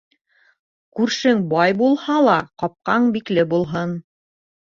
Күршең бай булһа ла, ҡапҡаң бикле булһын.